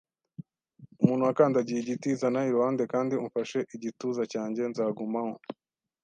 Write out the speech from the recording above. umuntu wakandagiye igiti; “Zana iruhande kandi umfashe igituza cyanjye. Nzagumaho